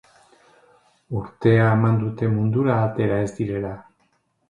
Urtea eman dute mundura atera ez direla.